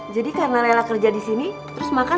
jadi karena laila kerja di sini terus makan